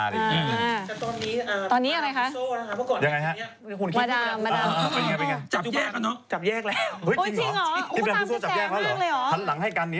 แล้วตอนนี้